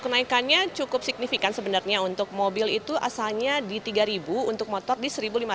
weekendnya cukup signifikan sebenarnya untuk mobil itu asalnya di tiga ribu untuk motor di seribu lima ratus